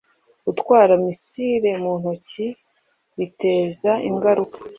gutwara misile mu ntoki; biteza ingaruka